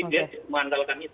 dia mengandalkan itu